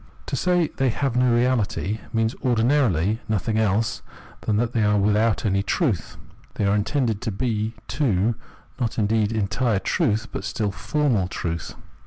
To say "they have no reality" means ordinarily nothing else than that they are without any truth, 287 288 Phenomenology of Mind They are intended to be, too, not indeed entire truth, but still formal truth.